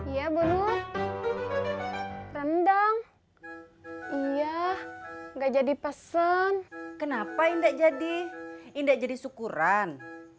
ya belum rendang iya nggak jadi pesen kenapa indek jadi indek jadi syukuran